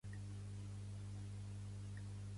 Guapa i honrada, poques vegades trobada.